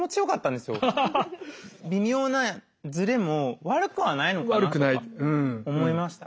微妙なズレも悪くはないのかなとか思いました。